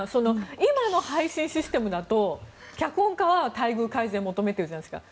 今の配信システムだと脚本家は待遇改善を求めているじゃないですか。